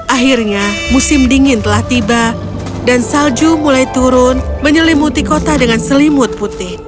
akhirnya musim dingin telah tiba dan salju mulai turun menyelimuti kota dengan selimut putih